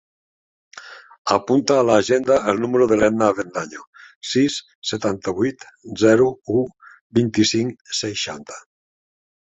Apunta a l'agenda el número de l'Edna Avendaño: sis, setanta-vuit, zero, u, vint-i-cinc, seixanta.